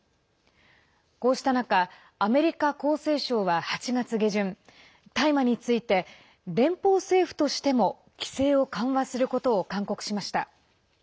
こうした中アメリカ厚生省は８月下旬大麻について、連邦政府としても規制を緩和することを勧告しました。